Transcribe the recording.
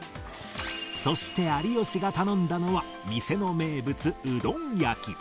そして有吉が頼んだのは店の名物うどん焼